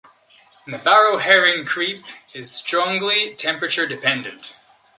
Nabarro-Herring creep is strongly temperature dependent.